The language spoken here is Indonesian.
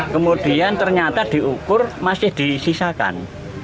kemudian ternyata diukur masih disisakan